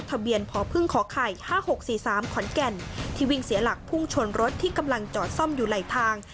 ทะเบียนพอพึ่งขอไข่ห้าหกสี่สามขอนแก่นที่วิ่งเสียหลักพุ่งชนรถที่กำลังจอดซ่อมอยู่ไหล่ทาง